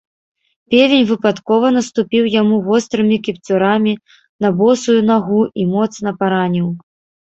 Певень выпадкова наступіў яму вострымі кіпцюрамі на босую нагу і моцна параніў.